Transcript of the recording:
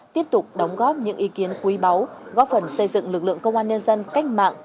tiếp tục đóng góp những ý kiến quý báu góp phần xây dựng lực lượng công an nhân dân cách mạng